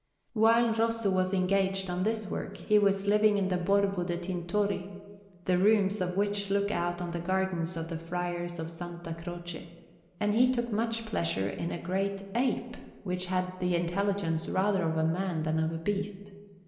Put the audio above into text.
While Rosso was engaged on this work, he was living in the Borgo de' Tintori, the rooms of which look out on the gardens of the Friars of S. Croce; and he took much pleasure in a great ape, which had the intelligence rather of a man than of a beast.